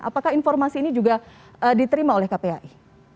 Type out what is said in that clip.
apakah informasi ini juga diterima oleh kpai